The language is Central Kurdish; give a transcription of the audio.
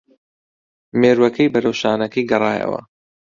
مێرووەکەی بەرەو شانەکەی گەڕایەوە